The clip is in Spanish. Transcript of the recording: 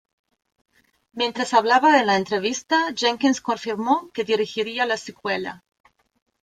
Mientras hablaba en una entrevista, Jenkins confirmó que dirigiría la secuela.